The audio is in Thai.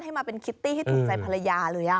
มาเป็นคิตตี้ให้ถูกใจภรรยาเลย